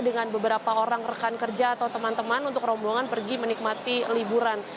dengan beberapa orang rekan kerja atau teman teman untuk rombongan pergi menikmati liburan